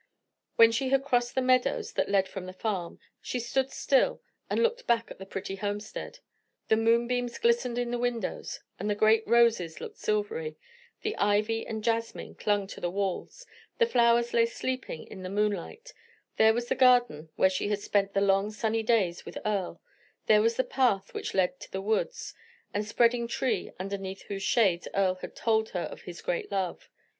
When she had crossed the meadows that led from the farm, she stood still and looked back at the pretty homestead; the moonbeams glistened in the windows, the great roses looked silvery, the ivy and jasmine clung to the walls, the flowers lay sleeping in the moonlight; there was the garden where she had spent the long, sunny days with Earle, there was the path which lead to the woods, the spreading tree underneath whose shades Earle had told of his great love.